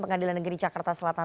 pengadilan negeri jakarta selatan